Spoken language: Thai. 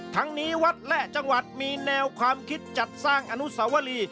ทั้งนี้วัดและจังหวัดมีแนวความคิดจัดสร้างอนุสาวรี